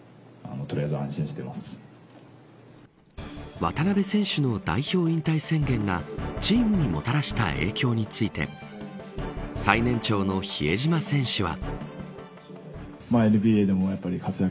渡邊選手の代表引退宣言がチームにもたらした影響について最年長の比江島選手は。